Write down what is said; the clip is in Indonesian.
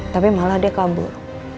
tapi malah dia kabur